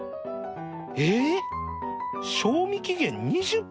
えっ賞味期限２０分！？